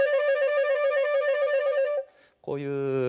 こういう。